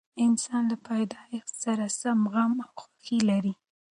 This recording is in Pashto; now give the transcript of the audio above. انسان له پیدایښت سره غم او خوښي لري.